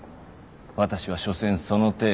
私はしょせんその程度。